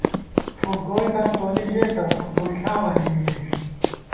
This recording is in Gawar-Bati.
فُک گوئیکاں تونی ژېتہ، فُک گوئیݪا بالی نِمِنݮ